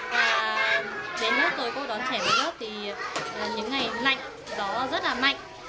và đến lớp tôi có đón trẻ vào lớp thì những ngày lạnh gió rất là mạnh